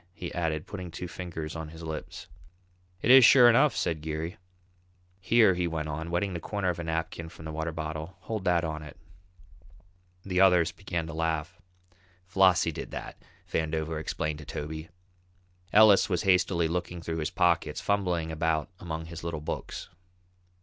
he added, putting two fingers on his lips. "It is sure enough," said Geary. "Here," he went on, wetting the corner of a napkin from the water bottle, "hold that on it." The others began to laugh. "Flossie did that," Vandover explained to Toby. Ellis was hastily looking through his pockets, fumbling about among his little books.